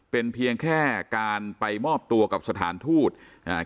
เป็นเพียงแค่การไปมอบตัวกับสถานทูตอ่า